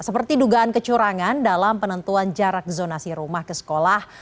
seperti dugaan kecurangan dalam penentuan jarak zonasi rumah ke sekolah